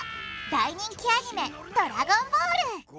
大人気アニメドラゴンボール！